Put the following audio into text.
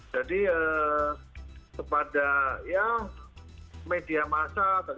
jadi kepada media masyarakat